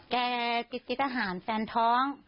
แกกิดกิดทหารแฟนท้อง